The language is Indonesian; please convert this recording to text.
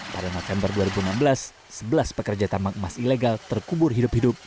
pada november dua ribu enam belas sebelas pekerja tambang emas ilegal terkubur hidup hidup